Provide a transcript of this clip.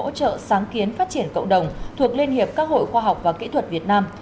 hỗ trợ sáng kiến phát triển cộng đồng thuộc liên hiệp các hội khoa học và kỹ thuật việt nam